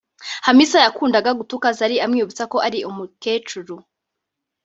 Hamissa yakundaga gutuka Zari amwibutsa ko ari umukecuru